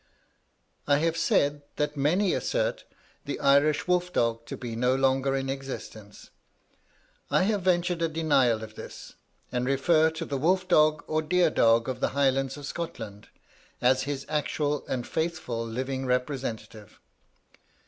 I have said that many assert the Irish wolf dog to be no longer in existence. I have ventured a denial of this, and refer to the wolf dog or deer dog of the Highlands of Scotland, as his actual and faithful living representative.